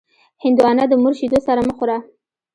هندوانه د مور شیدو سره مه خوره.